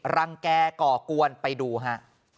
รังแก่ก่อกวนไปดูฮะ